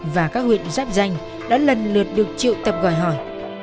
và các huyện giáp danh đã lần lượt được triệu tập gọi hỏi